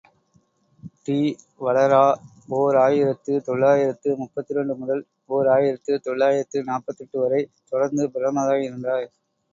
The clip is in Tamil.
டி வலெரா ஓர் ஆயிரத்து தொள்ளாயிரத்து முப்பத்திரண்டு முதல் ஓர் ஆயிரத்து தொள்ளாயிரத்து நாற்பத்தெட்டு வரை தொடர்ந்து பிரதமராயிருந்தார்.